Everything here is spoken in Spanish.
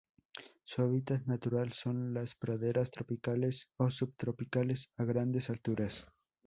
Su hábitat natural son las praderas tropicales o subtropicales a grandes alturas.